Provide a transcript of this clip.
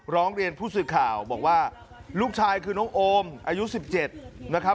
ร้องเรียนผู้สื่อข่าวบอกว่าลูกชายคือน้องโอมอายุ๑๗นะครับ